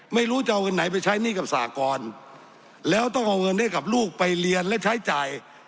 ไม่รู้จะเอาเงินไหนไปใช้หนี้กับสากรแล้วต้องเอาเงินให้กับลูกไปเรียนและใช้จ่าย